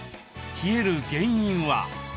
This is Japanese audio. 冷える原因は。